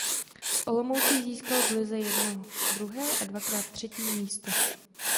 S Olomoucí získal v lize jednou druhé a dvakrát třetí místo.